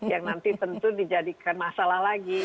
yang nanti tentu dijadikan masalah lagi